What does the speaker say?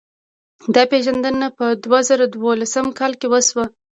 دا پېژندنه په دوه زره دولسم کال کې وشوه.